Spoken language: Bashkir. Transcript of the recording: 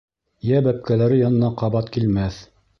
Йә бәпкәләре янына ҡабат килмәҫ...